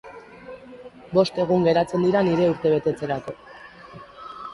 Bost egun geratzen dira nire urtebetetzerako.